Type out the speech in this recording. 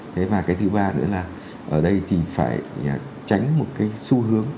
thế và cái thứ ba nữa là ở đây thì phải tránh một cái xu hướng